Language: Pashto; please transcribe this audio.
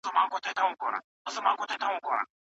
مهم دا دی چې څوک په سخته ورځ درسره وي.